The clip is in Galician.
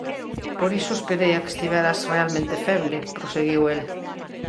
Por iso esperei a que estiveras realmente feble –proseguiu el–.